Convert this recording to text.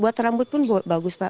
buat rambut pun bagus pak